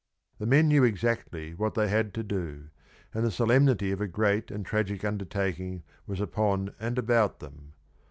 The men knew exactly what they had to do, and the solemnity of a great and tragic undertaking was upon and about them.